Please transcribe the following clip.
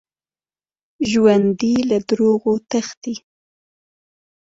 ژوندي له دروغو تښتي